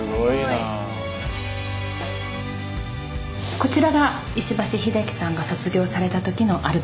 こちらが石橋秀樹さんが卒業された時のアルバムです。